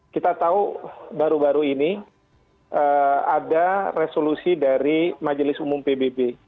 kita tahu baru baru ini ada resolusi dari majelis umum pbb